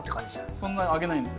そんなあげないんですよ。